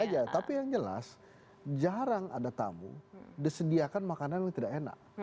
iya tapi yang jelas jarang ada tamu disediakan makanan yang tidak enak